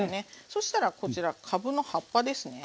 そしたらこちらかぶの葉っぱですね。